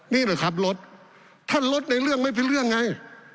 นี่แหละครับรถถ้าลดในเรื่องไม่เป็นเรื่องไง